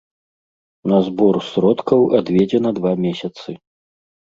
На збор сродкаў адведзена два месяцы.